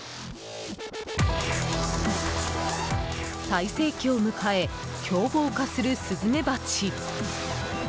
最盛期を迎え凶暴化するスズメバチ。